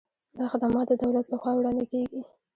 دا خدمات د دولت له خوا وړاندې کیږي.